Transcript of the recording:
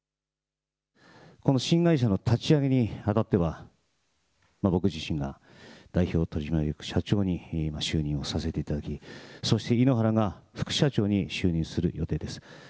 この新会社の立ち上げにあたっては、僕自身が代表取締役社長に就任をさせていただき、そして井ノ原が副社長に就任する予定です。